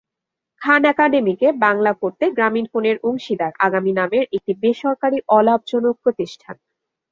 খান একাডেমিকে বাংলা করতে গ্রামীণফোনের অংশীদার আগামী নামের একটি বেসরকারি অলাভজনক প্রতিষ্ঠান।